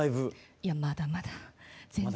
いやまだまだ全然。